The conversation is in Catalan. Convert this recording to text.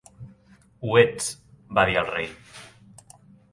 "Ho ets", va dir el rei.